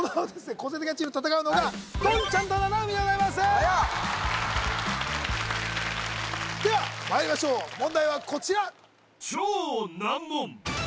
個性的なチームと戦うのが言ちゃんと七海でございますはいよではまいりましょう問題はこちら